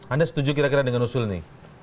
anda setuju kira kira dengan usul ini